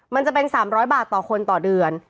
มันจะเป็น๓๐๐บาทต่อคนต่อเดือน